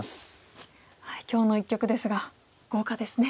今日の一局ですが豪華ですね。